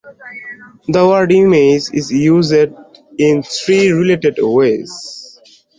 The word "image" is used in three related ways.